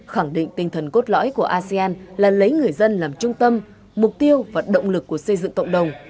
khẳng định tinh thần cốt lõi của asean là lấy người dân làm trung tâm mục tiêu và động lực của xây dựng cộng đồng